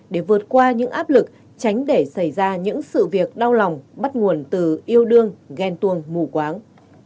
để vượt qua những áp lực tránh để xảy ra những sự việc đau lòng bắt nguồn từ yêu đương ghen tuồng mù quáng